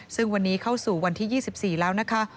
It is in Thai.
ซึ่งวันนี้เข้าสู่วันที่๒๔แล้วนะคะ